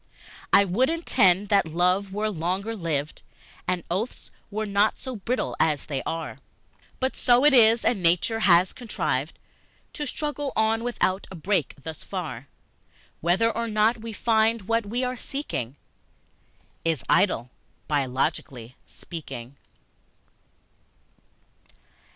I would indeed that love were longer lived, And oaths were not so brittle as they are, But so it is, and nature has contrived To struggle on without a break thus far, Whether or not we find what we are seeking Is idle, biologically speaking.